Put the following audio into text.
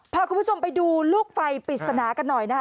พาคุณผู้ชมไปดูลูกไฟปริศนากันหน่อยนะคะ